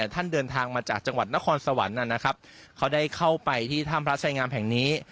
ท่านเดินทางมาจากจังหวัดนครสวรรค์ได้เข้าไปที่ถ้ำพระชัยงามแห่งนี้